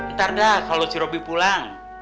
ntar dah kalau si roby pulang